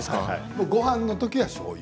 ごはんのときはしょうゆ。